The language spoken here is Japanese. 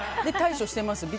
対処しています？